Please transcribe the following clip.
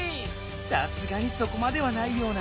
さすがにそこまではないような。